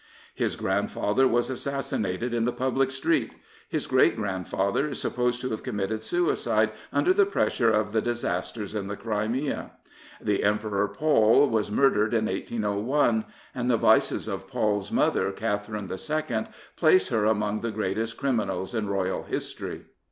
His grandfather was assassinated in the public street; his great grandfather is supposed to have committed suicide under the pressure of the disasters in the Crimea; the Emperor Paul was murdered in i8oi; and the vices of Paul's mother, Catherine II., place her among the greatest criminals in Royal history.